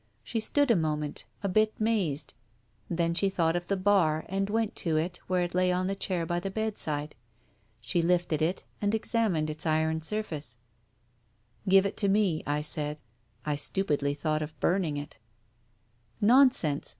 She stood a moment, a bit mazed, then she thought of the bar and went to it where it lay on the chair by the bedside. She lifted it, and examined its iron surface. ..." Give it to me," I said. I stupidly thought of burn ing it. " Nonsense !